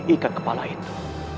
ikan kepala itu